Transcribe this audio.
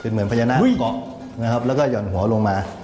คือเหมือนพญานาคเกาะแล้วก็หย่อนหัวลงมา